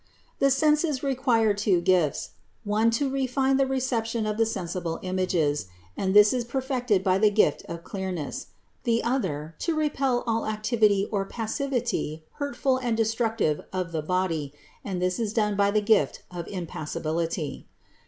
The senses require two gifts : one to refine the reception of sensible images, and this is perfected by the gift of clearness ; the other, to repel all activity or passivity hurtful and destructive of the body, and this is done by the gift of impassibility.